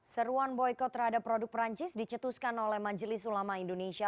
seruan boykot terhadap produk perancis dicetuskan oleh majelis ulama indonesia